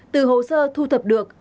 từ hồ sơ thu thập được